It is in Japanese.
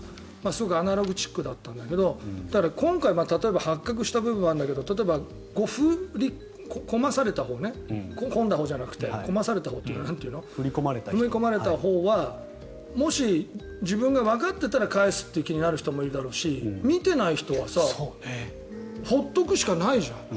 すごくアナログチックだったわけだけど今回は例えば発覚した部分があるんだけど例えば振り込んだほうというか振り込まれたほう振り込まれたほうはもし、自分がわかっていたら返すという気になる人もいるだろうし見てない人はほっとくしかないじゃん。